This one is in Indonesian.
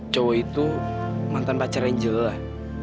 cowok itu mantan pacar angel lah